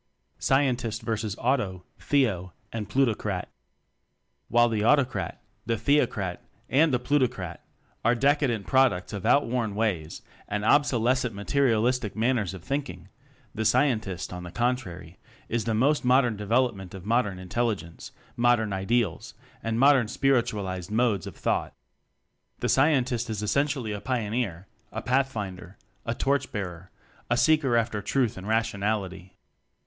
Scientist vs. Auto , Theo , and Pluto crat While the Autocrat, the Theocrat, and the Plutocrat, are decadent products of outworn ways and obso lescent materialistic manners of think ing, the Scientist, on the contrary, is the most modern development of modern intelligence, modern ideals, and modern spiritualized modes of thought. The Scientist is essentially a pioneer, a pathfinder, a torch bearer, a seeker after Truth and Rationality.